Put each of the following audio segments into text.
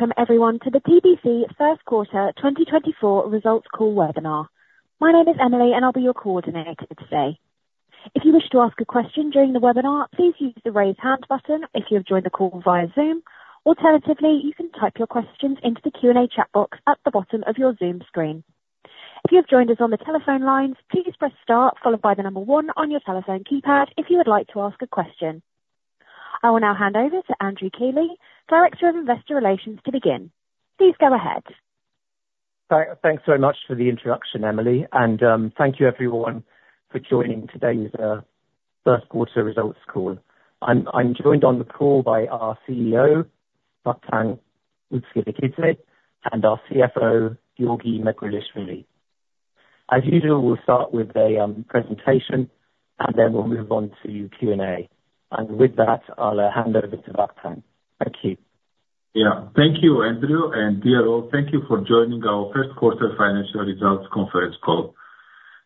Welcome, everyone, to the TBC First Quarter 2024 Results Call webinar. My name is Emily, and I'll be your coordinator today. If you wish to ask a question during the webinar, please use the raise hand button if you have joined the call via Zoom. Alternatively, you can type your questions into the Q&A chat box at the bottom of your Zoom screen. If you have joined us on the telephone lines, please press star followed by the number one on your telephone keypad if you would like to ask a question. I will now hand over to Andrew Keeley, Director of Investor Relations, to begin. Please go ahead. Thanks very much for the introduction, Emily, and thank you, everyone, for joining today's First Quarter Results Call. I'm joined on the call by our CEO, Vakhtang Butskhrikidze, and our CFO, Giorgi Megrelishvili. As usual, we'll start with a presentation, and then we'll move on to Q&A. And with that, I'll hand over to Vakhtang. Thank you. Yeah. Thank you, Andrew. Dear all, thank you for joining our First Quarter Financial Results Conference Call.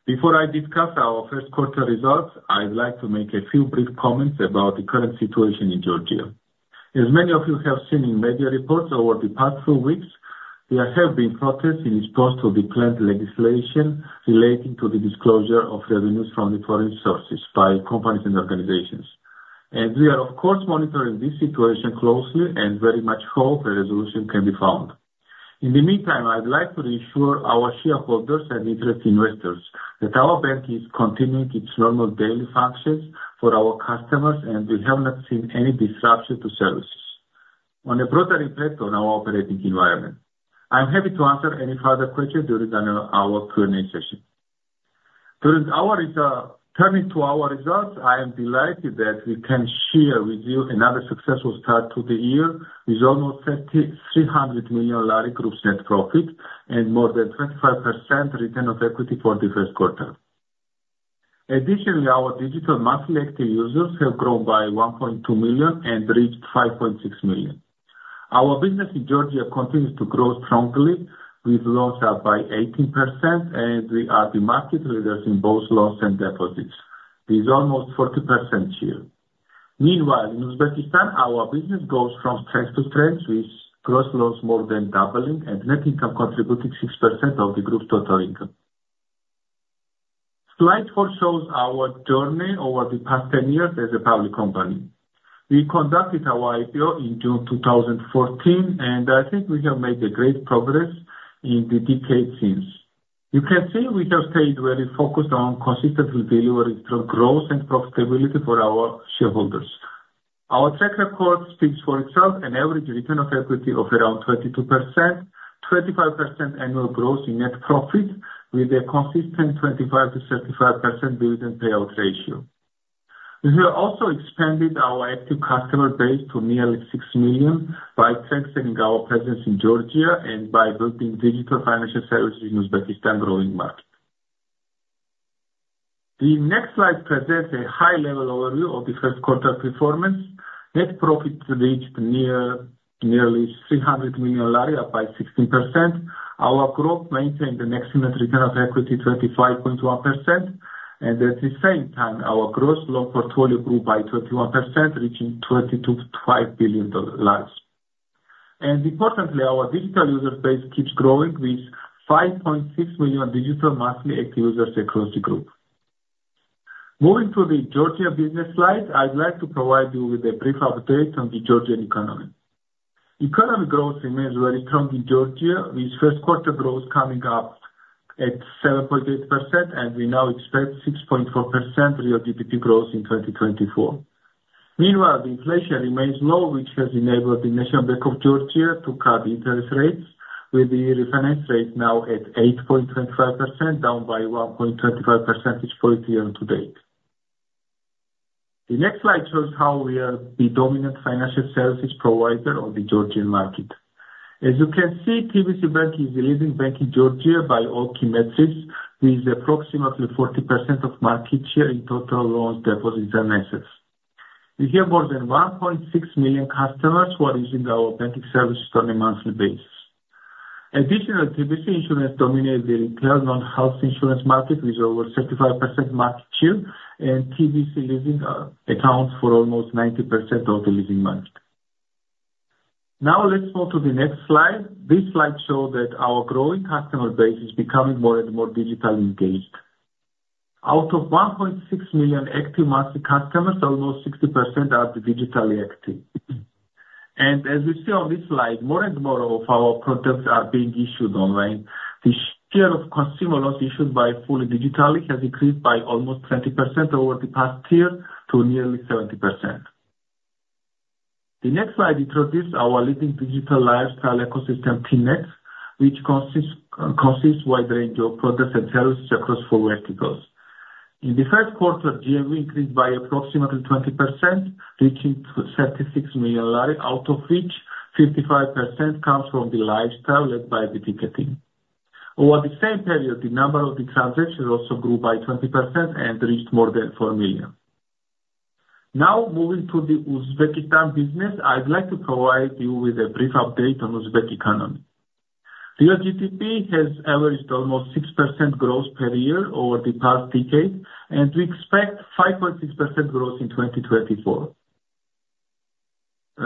Before I discuss our First Quarter Results, I'd like to make a few brief comments about the current situation in Georgia. As many of you have seen in media reports over the past few weeks, there have been protests in response to the planned legislation relating to the disclosure of revenues from foreign sources by companies and organizations. We are, of course, monitoring this situation closely and very much hope a resolution can be found. In the meantime, I'd like to reassure our shareholders and interested investors that our bank is continuing its normal daily functions for our customers, and we have not seen any disruption to services or a broader impact on our operating environment. I'm happy to answer any further questions during our Q&A session. Turning to our results, I am delighted that we can share with you another successful start to the year with almost GEL 300 million group's net profit and more than 25% return of equity for the first quarter. Additionally, our digital monthly active users have grown by GEL 1.2 million and reached GEL 5.6 million. Our business in Georgia continues to grow strongly with loans up by 18%, and we are the market leaders in both loans and deposits. This is almost 40% here. Meanwhile, in Uzbekistan, our business goes from strength to strength with gross loans more than doubling and net income contributing 6% of the group's total income. Slide four shows our journey over the past 10 years as a public company. We conducted our IPO in June 2014, and I think we have made great progress in the decade since. You can see we have stayed very focused on consistent delivery through growth and profitability for our shareholders. Our track record speaks for itself: an average return of equity of around 22%, 25% annual growth in net profit with a consistent 25%-35% dividend payout ratio. We have also expanded our active customer base to nearly 6 million by strengthening our presence in Georgia and by building digital financial services in Uzbekistan's growing market. The next slide presents a high-level overview of the first quarter performance. Net profit reached nearly GEL 300 million, up by 16%. Our growth maintained an excellent return of equity of 25.1%. At the same time, our gross loan portfolio grew by 21%, reaching GEL 22.5 billion. Importantly, our digital user base keeps growing with GEL 5.6 million digital monthly active users across the group. Moving to the Georgia business slide, I'd like to provide you with a brief update on the Georgian economy. Economic growth remains very strong in Georgia, with first quarter growth coming up at 7.8%, and we now expect 6.4% real GDP growth in 2024. Meanwhile, the inflation remains low, which has enabled the National Bank of Georgia to cut interest rates, with the refinance rate now at 8.25%, down by 1.25 percentage points year to date. The next slide shows how we are the dominant financial services provider of the Georgian market. As you can see, TBC Bank is the leading bank in Georgia by all key metrics, with approximately 40% of market share in total loans, deposits, and assets. We have more than 1.6 million customers who are using our banking services on a monthly basis. Additionally, TBC Insurance dominates the retail non-health insurance market with over 75% market share, and TBC Leasing accounts for almost 90% of the leasing market. Now let's move to the next slide. This slide shows that our growing customer base is becoming more and more digitally engaged. Out of 1.6 million active monthly customers, almost 60% are digitally active. And as we see on this slide, more and more of our products are being issued online. The share of consumer loans issued fully digitally has increased by almost 20% over the past year to nearly 70%. The next slide introduces our leading digital lifestyle ecosystem, TNET, which consists of a wide range of products and services across four verticals. In the first quarter, GMV increased by approximately 20%, reaching GEL 76 million, out of which 55% comes from the lifestyle led by the ticketing. Over the same period, the number of the transactions also grew by 20% and reached more than 4 million. Now moving to the Uzbekistan business, I'd like to provide you with a brief update on Uzbek economy. Real GDP has averaged almost 6% growth per year over the past decade, and we expect 5.6% growth in 2024.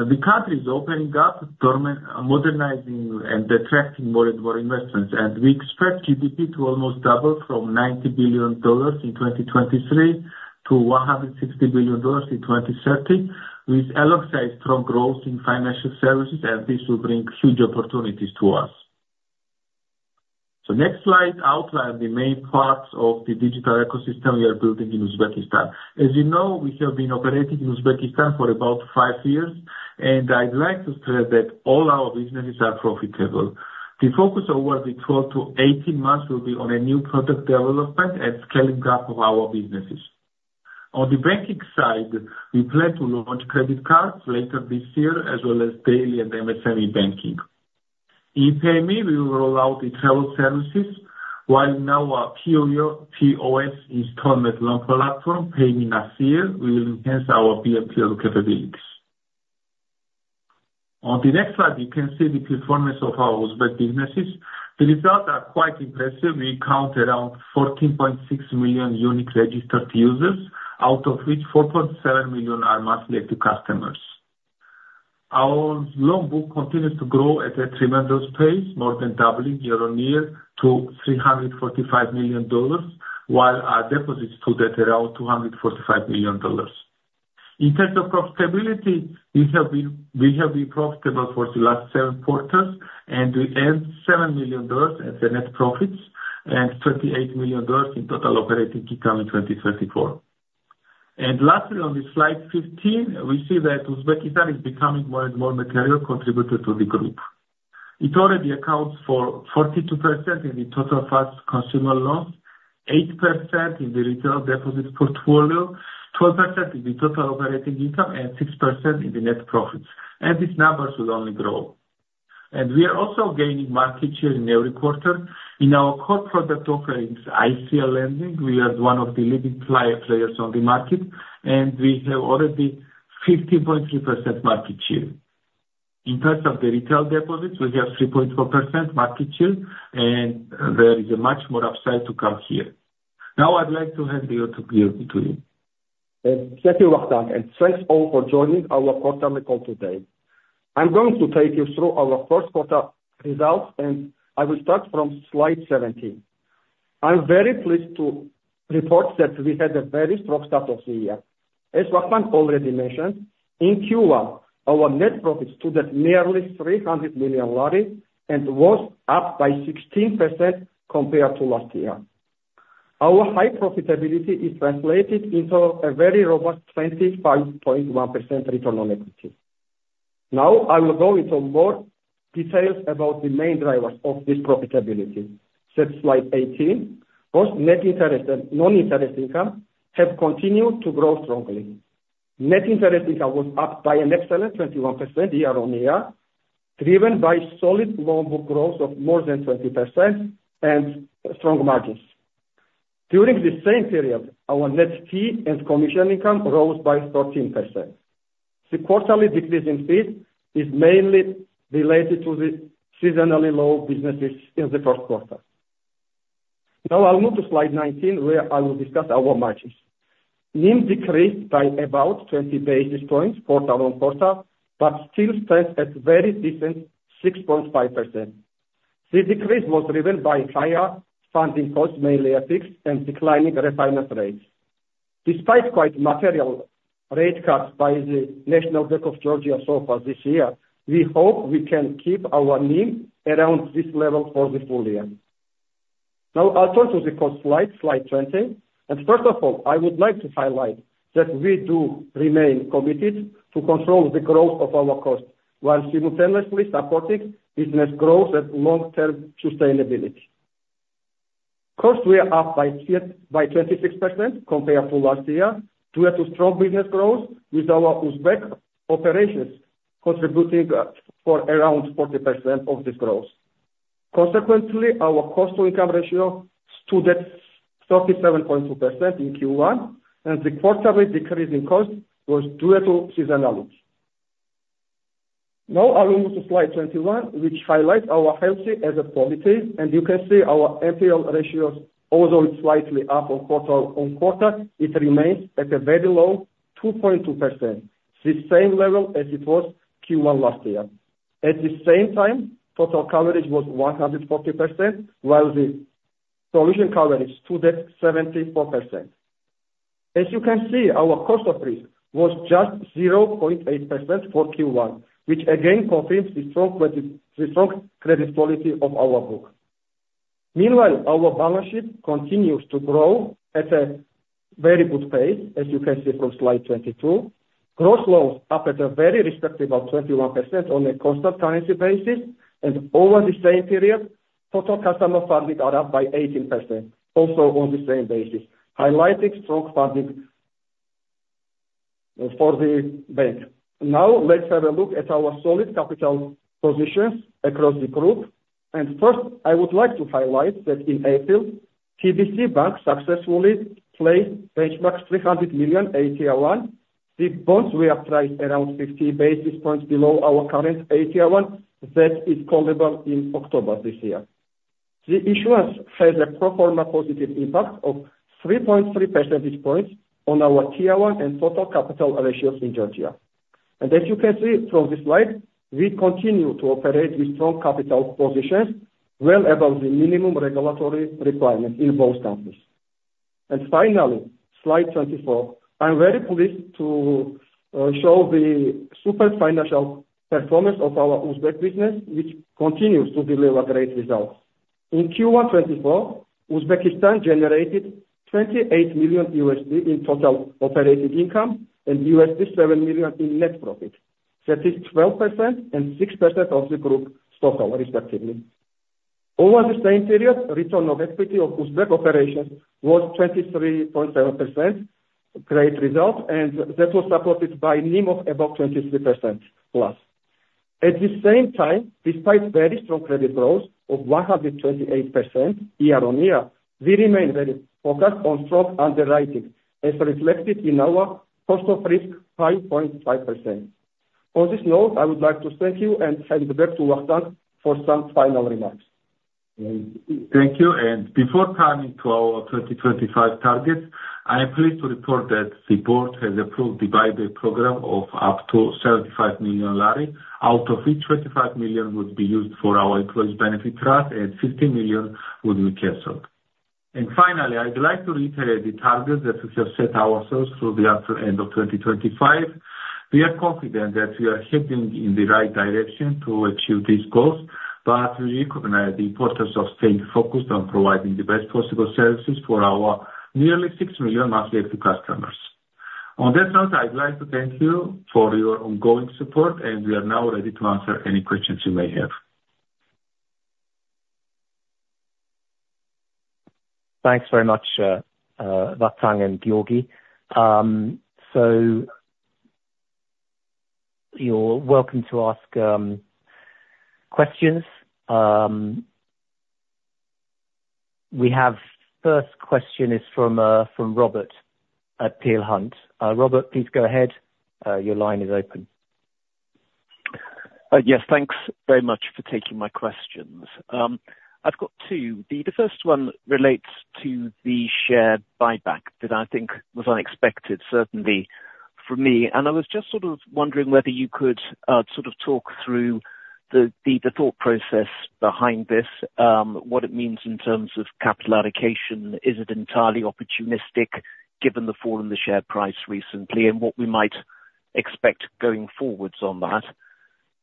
The country is opening up, modernizing, and attracting more and more investments. We expect GDP to almost double from $90 billion in 2023 to $160 billion in 2030, with alongside strong growth in financial services. This will bring huge opportunities to us. Next slide outlines the main parts of the digital ecosystem we are building in Uzbekistan. As you know, we have been operating in Uzbekistan for about five years, and I'd like to stress that all our businesses are profitable. The focus over the 12- to 18-month period will be on a new product development and scaling up of our businesses. On the banking side, we plan to launch credit cards later this year, as well as daily and MSME banking. In Payme, we will roll out the travel services. While now a POS installment loan platform, Payme Nasiya, we will enhance our BNPL loan capabilities. On the next slide, you can see the performance of our Uzbek businesses. The results are quite impressive. We count around 14.6 million unique registered users, out of which 4.7 million are monthly active customers. Our loan book continues to grow at a tremendous pace, more than doubling year-on-year to $345 million, while our deposits to that are around $245 million. In terms of profitability, we have been profitable for the last seven quarters, and we earned $7 million as net profits and $28 million in total operating income in 2024. Lastly, on this slide 15, we see that Uzbekistan is becoming more and more material contributor to the group. It already accounts for 42% in the total fast consumer loans, 8% in the retail deposit portfolio, 12% in the total operating income, and 6% in the net profits. These numbers will only grow. We are also gaining market share in every quarter. In our core product offerings, ICL Lending, we are one of the leading players on the market, and we have already 15.3% market share. In terms of the retail deposits, we have 3.4% market share, and there is much more upside to come here. Now I'd like to hand the interview over to you. Thank you, Vakhtang. Thanks all for joining our quarterly call today. I'm going to take you through our first quarter results, and I will start from slide 17. I'm very pleased to report that we had a very strong start of the year. As Vakhtang already mentioned, in Q1, our net profit totaled nearly GEL 300 million and was up by 16% compared to last year. Our high profitability is translated into a very robust 25.1% return on equity. Now I will go into more details about the main drivers of this profitability. Slide 18, both net interest and non-interest income have continued to grow strongly. Net interest income was up by an excellent 21% year-on-year, driven by solid loan book growth of more than 20% and strong margins. During the same period, our net fee and commission income rose by 13%. The quarterly decrease in fees is mainly related to the seasonally low businesses in the first quarter. Now I'll move to slide 19, where I will discuss our margins. NIM decreased by about 20 basis points quarter-on-quarter, but still stands at very decent 6.5%. This decrease was driven by higher funding costs, mainly at peaks, and declining refinance rates. Despite quite material rate cuts by the National Bank of Georgia so far this year, we hope we can keep our NIM around this level for the full year. Now I'll turn to the cost slide, slide 20. And first of all, I would like to highlight that we do remain committed to control the growth of our costs while simultaneously supporting business growth and long-term sustainability. Costs were up by 26% compared to last year. Due to strong business growth, with our Uzbek operations contributing to around 40% of this growth. Consequently, our cost-to-income ratio stood at 37.2% in Q1, and the quarterly decrease in costs was due to seasonality. Now I will move to slide 21, which highlights our asset quality. You can see our NPL ratios, although it's slightly up from quarter-over-quarter, it remains at a very low 2.2%, the same level as it was Q1 last year. At the same time, total coverage was 140%, while the collateral coverage stood at 74%. As you can see, our cost of risk was just 0.8% for Q1, which again confirms the strong credit quality of our book. Meanwhile, our balance sheet continues to grow at a very good pace, as you can see from slide 22. Gross loans up at a very respectable 21% on a constant currency basis. Over the same period, total customer funding are up by 18% also on the same basis, highlighting strong funding for the bank. Now let's have a look at our solid capital positions across the group. First, I would like to highlight that in April, TBC Bank successfully placed benchmark GEL 300 million AT1. The bonds were priced around 50 basis points below our current AT1 that is callable in October this year. The issuance has a pro forma positive impact of 3.3 percentage points on our CET1 and total capital ratios in Georgia. And as you can see from this slide, we continue to operate with strong capital positions well above the minimum regulatory requirements in both countries. Finally, slide 24, I'm very pleased to show the super financial performance of our Uzbek business, which continues to deliver great results. In Q1 2024, Uzbekistan generated $28 million in total operating income and $7 million in net profit. That is 12% and 6% of the group's total, respectively. Over the same period, return of equity of Uzbek operations was 23.7%, great result, and that was supported by NIM of about 23%+. At the same time, despite very strong credit growth of 128% year-on-year, we remain very focused on strong underwriting, as reflected in our cost of risk 5.5%. On this note, I would like to thank you and hand it back to Vakhtang for some final remarks. Thank you. Before coming to our 2025 targets, I am pleased to report that the board has approved the buyback program of up to GEL 75 million, out of which GEL 25 million would be used for our employees' benefit trust, and GEL 15 million would be canceled. Finally, I'd like to reiterate the targets that we have set ourselves through the end of 2025. We are confident that we are heading in the right direction to achieve these goals, but we recognize the importance of staying focused on providing the best possible services for our nearly six million monthly active customers. On that note, I'd like to thank you for your ongoing support, and we are now ready to answer any questions you may have. Thanks very much, Vakhtang and Giorgi. You're welcome to ask questions. The first question is from Robert Sage. Robert, please go ahead. Your line is open. Yes. Thanks very much for taking my questions. I've got two. The first one relates to the share buyback that I think was unexpected, certainly for me. And I was just sort of wondering whether you could sort of talk through the thought process behind this, what it means in terms of capital allocation. Is it entirely opportunistic given the fall in the share price recently and what we might expect going forward on that?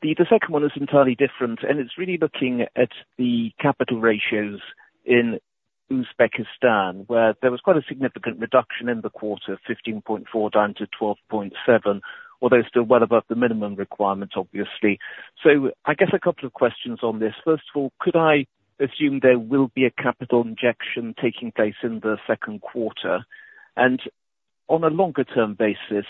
The second one is entirely different, and it's really looking at the capital ratios in Uzbekistan, where there was quite a significant reduction in the quarter, 15.4% down to 12.7%, although still well above the minimum requirement, obviously. So I guess a couple of questions on this. First of all, could I assume there will be a capital injection taking place in the second quarter? On a longer-term basis,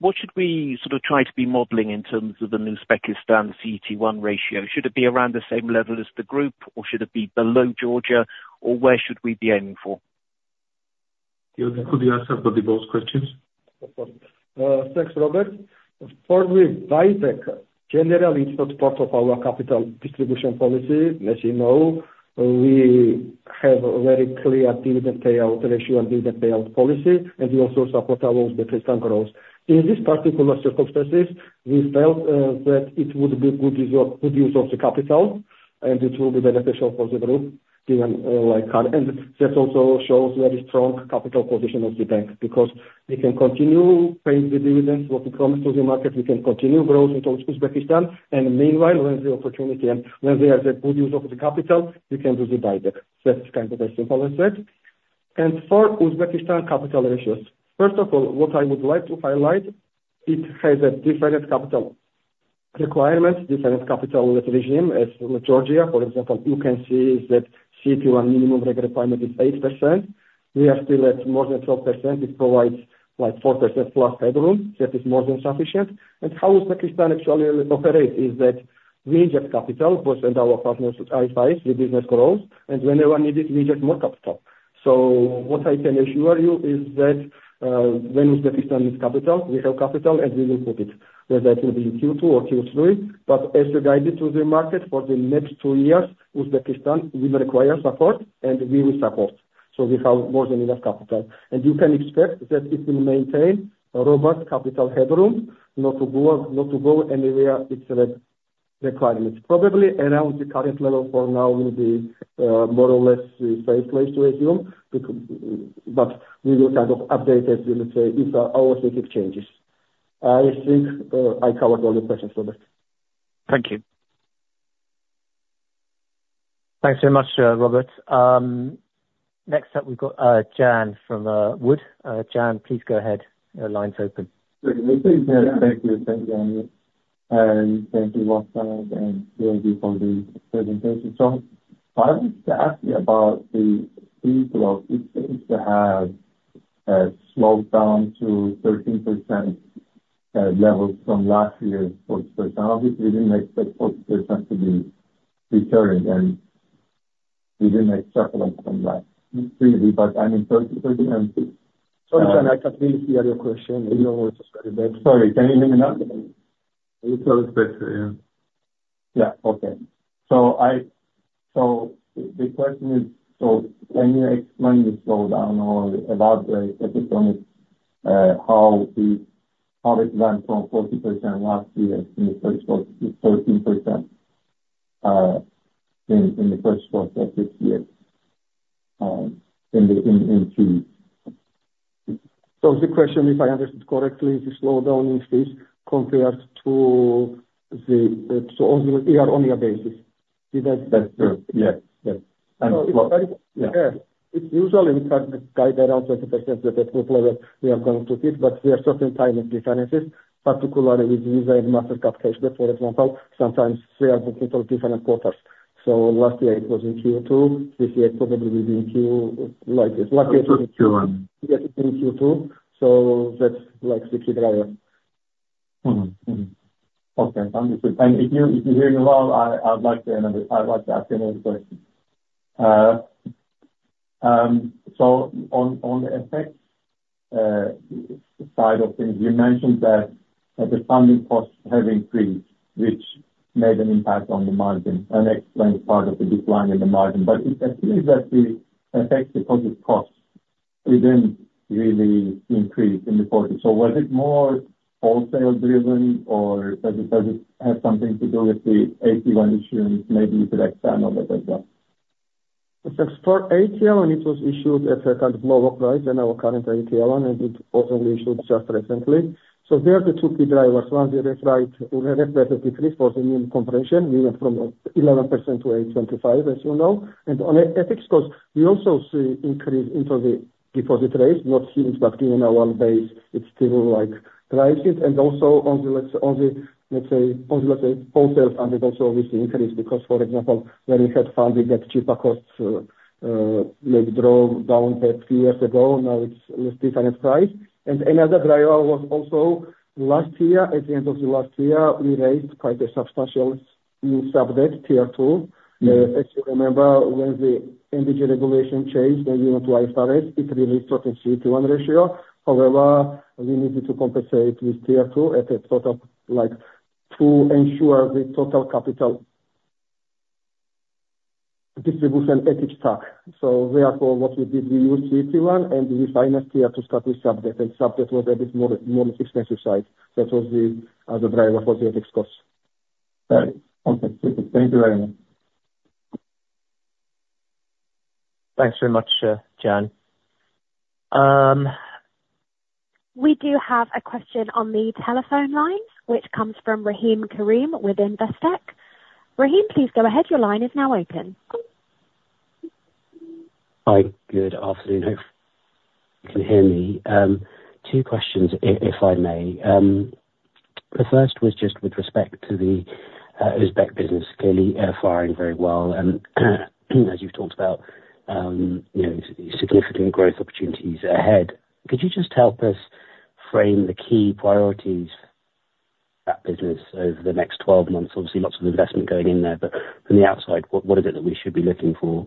what should we sort of try to be modeling in terms of an Uzbekistan CET1 ratio? Should it be around the same level as the group, or should it be below Georgia, or where should we be aiming for? Could you answer both questions? Of course. Thanks, Robert. For buyback, generally, it's not part of our capital distribution policy. As you know, we have a very clear dividend payout ratio and dividend payout policy, and we also support our Uzbekistan growth. In this particular circumstances, we felt that it would be a good use of the capital, and it will be beneficial for the group given like current. And that also shows very strong capital position of the bank because we can continue paying the dividends, what we promised to the market. We can continue growth in Uzbekistan. And meanwhile, when the opportunity and when there is a good use of the capital, we can do the buyback. That's kind of a simple as that. And for Uzbekistan capital ratios, first of all, what I would like to highlight, it has a different capital requirement, different capital regime as Georgia. For example, you can see that CET1 minimum rate requirement is 8%. We are still at more than 12%. It provides like 4%+ headroom. That is more than sufficient. And how Uzbekistan actually operates is that we inject capital, both in our partnerships with business growth. And whenever needed, we inject more capital. So what I can assure you is that when Uzbekistan needs capital, we have capital, and we will put it, whether it will be Q2 or Q3. But as you guided through the market for the next two years, Uzbekistan will require support, and we will support. So we have more than enough capital. And you can expect that it will maintain a robust capital headroom, not to go anywhere its requirements. Probably around the current level for now will be more or less safe place to assume, but we will kind of update as, let's say, if our thinking changes. I think I covered all your questions, Robert. Thank you. Thanks very much, Robert. Next up, we've got Jan from Wood. Jan, please go ahead. Your line's open. Thank you. Thank you. Thank you, Andrew. And thank you, Vakhtang, and Giorgi for the presentation. So I wanted to ask you about the fees growth. It seems to have slowed down to 13% levels from last year. For example, we didn't expect 40% to be recurring, and we didn't expect a lot from that previously, but I mean, 30%. Sorry, Jan. I can't really see your question. Sorry. Can you hear me now? It's always better. Yeah. Yeah. Okay. So the question is, so can you explain the slowdown or elaborate at this point how it went from 40% last year in the first 13% in the first quarter of this year in fees? The question, if I understood correctly, is the slowdown in fees compared to the year-over-year basis? Did that? That's true. Yes. Yes. And slow. So it's usually we can guide that out 20% to that group level we are going to hit, but there are certain timing differences, particularly with Visa and Mastercard cashback, for example. Sometimes they are booking for different quarters. So last year, it was in Q2. This year, it probably will be in Q like this. Last year, it was in Q1. Yeah, it will be in Q2. So that's like sticky driver. Okay. Understood. If you're hearing me well, I'd like to ask another question. On the effects side of things, you mentioned that the funding costs have increased, which made an impact on the margin and explained part of the decline in the margin. It appears that the effects because of costs didn't really increase in the quarter. Was it more wholesale-driven, or does it have something to do with the AT1 issuance? Maybe you could expand on that as well. For AT1, it was issued at a kind of lower price than our current AT1, and it was only issued just recently. So there are the two key drivers. One, we reflected decrease for the NIM compression. We went from 11%-8.25%, as you know. And on the funding costs, we also see increase into the deposit rates, not huge, but given our base, it still drives it. And also, let's say, on the wholesale fund, it also obviously increased because, for example, when we had funding, that cheaper costs maybe drove down that few years ago. Now it's a different price. And another driver was also last year. At the end of last year, we raised quite a substantial sub-debt, Tier 2. As you remember, when the NBG regulation changed and we went to IFRS, it released certain CET1 ratio. However, we needed to compensate with Tier 2 at a total to ensure the total capital distribution adequacy tests. So therefore, what we did, we used CET1, and we financed Tier 2 start with sub-debt. And sub-debt was a bit more expensive side. That was the other driver for the adequacy costs. Got it. Okay. Perfect. Thank you very much. Thanks very much, Jan. We do have a question on the telephone line, which comes from Rahim Karim within Investec. Rahim, please go ahead. Your line is now open. Hi. Good afternoon. Hope you can hear me. Two questions, if I may. The first was just with respect to the Uzbek business, clearly firing very well. And as you've talked about, significant growth opportunities ahead. Could you just help us frame the key priorities. That business over the next 12 months? Obviously, lots of investment going in there. But from the outside, what is it that we should be looking for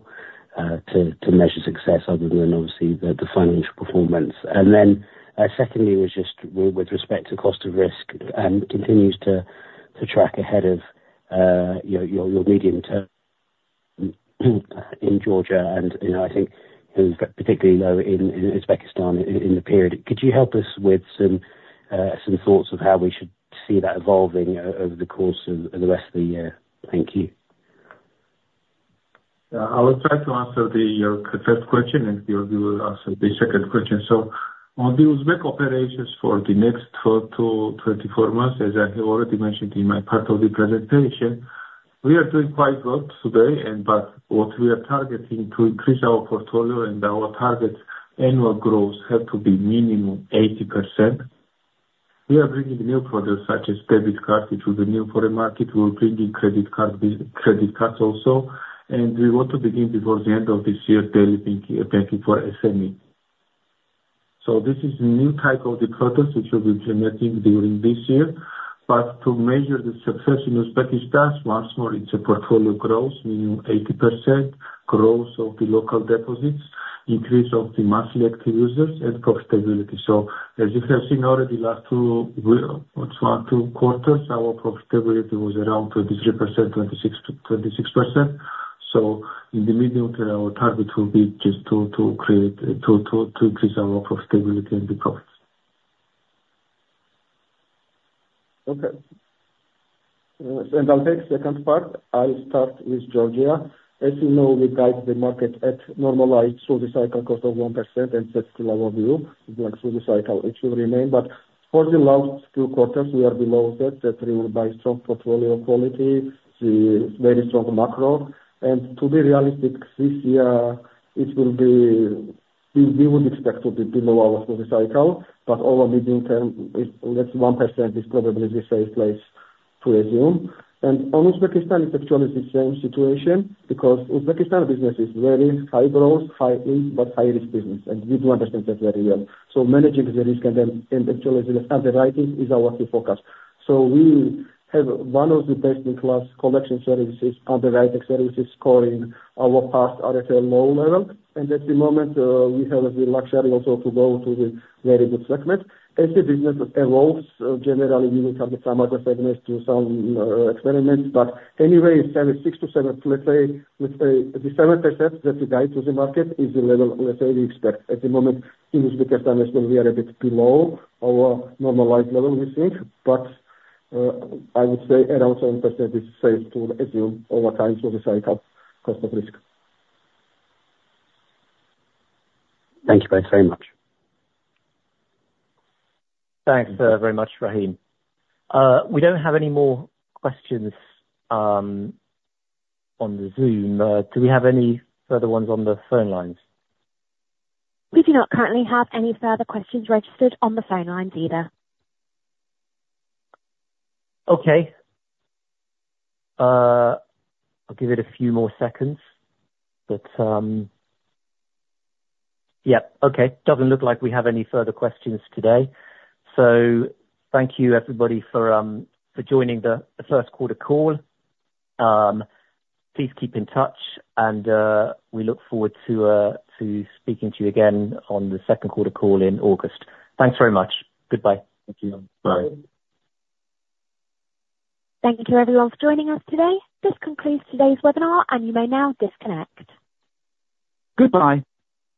to measure success other than, obviously, the financial performance? And then secondly was just with respect to cost of risk and continues to track ahead of your medium term in Georgia, and I think particularly low in Uzbekistan in the period. Could you help us with some thoughts of how we should see that evolving over the course of the rest of the year? Thank you. Yeah. I will try to answer your first question, and Giorgi will answer the second question. So on the Uzbek operations for the next 24 months, as I already mentioned in my part of the presentation, we are doing quite well today, but what we are targeting to increase our portfolio and our target annual growth have to be minimum 80%. We are bringing new products such as debit card, which will be new for the market. We're bringing credit cards also. And we want to begin before the end of this year daily banking for SME. So this is a new type of the products which we'll be implementing during this year. But to measure the success in Uzbekistan, once more, it's a portfolio growth, minimum 80%, growth of the local deposits, increase of the monthly active users, and profitability. As you have seen already, last two quarters, our profitability was around 23%-26%. In the medium term, our target will be just to increase our profitability and the profits. Okay. I'll take the second part. I'll start with Georgia. As you know, we guide the market at normalized through the cycle cost of 1% and set to lower view through the cycle. It will remain. But for the last two quarters, we are below that, that we will buy strong portfolio quality, very strong macro. And to be realistic, this year, we would expect to be below our through the cycle. But over medium term, that's 1% is probably the safe place to assume. And on Uzbekistan, it's actually the same situation because Uzbekistan business is very high growth, high earnings, but high-risk business. And we do understand that very well. So managing the risk and actually underwriting is our key focus. So we have one of the best-in-class collection services, underwriting services, scoring our past NPL low level. At the moment, we have the luxury also to go to the very good segment. As the business evolves, generally, we will target some other segments to some experiments. But anyway, 6-7, let's say, the 7% that we guide to the market is the level, let's say, we expect. At the moment, in Uzbekistan, we are a bit below our normalized level, we think. But I would say around 7% is safe to assume over time through the cycle cost of risk. Thank you both very much. Thanks very much, Rahim. We don't have any more questions on the Zoom. Do we have any further ones on the phone lines? We do not currently have any further questions registered on the phone lines either. Okay. I'll give it a few more seconds. But yeah. Okay. Doesn't look like we have any further questions today. So thank you, everybody, for joining the first quarter call. Please keep in touch, and we look forward to speaking to you again on the second quarter call in August. Thanks very much. Goodbye. Thank you. Bye. Thank you, everyone, for joining us today. This concludes today's webinar, and you may now disconnect. Goodbye.